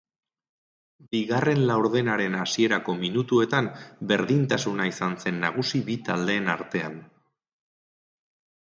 Bigarren laurdenaren hasierako minutuetan berdintasuna izan zen nagusi bi taldeen artean.